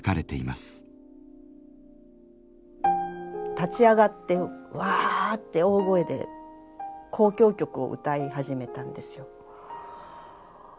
立ち上がってワーッて大声で交響曲を歌い始めたんですよ。